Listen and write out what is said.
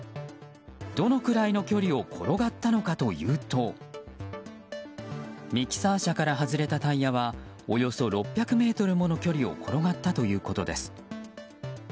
どのくらいの距離を転がったのかというとミキサー車から外れたタイヤはおよそ６００ｍもの距離を転がったということです。